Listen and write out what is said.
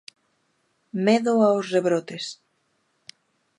Medo aos rebrotes.